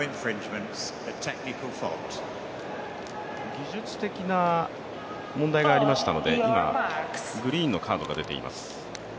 技術的な問題がありましたので、今、グリーンのカードが出ています。